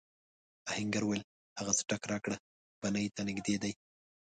آهنګر وویل هغه څټک راکړه بنۍ ته نږدې دی.